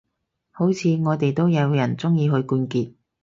好似我哋都有人鍾意許冠傑